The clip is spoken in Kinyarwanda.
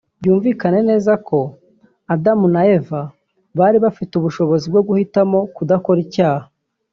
Byumvikane neza ko Adamu na Eva bari bafite ubushobozi bwo guhitamo kudakora icyaha